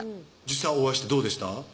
実際お会いしてどうでした？